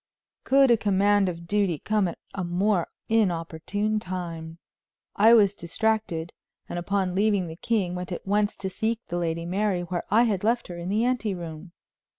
Could a command to duty have come at a more inopportune time? I was distracted; and upon leaving the king went at once to seek the Lady Mary where I had left her in the ante room.